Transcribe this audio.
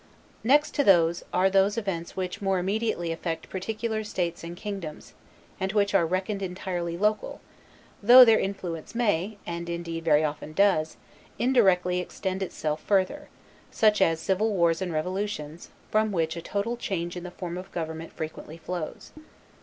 Next to these, are those events which more immediately effect particular states and kingdoms, and which are reckoned entirely local, though their influence may, and indeed very often does, indirectly, extend itself further, such as civil wars and revolutions, from which a total change in the form of government frequently flows.